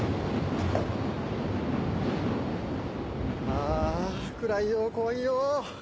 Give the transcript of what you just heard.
ああ暗いよ怖いよ。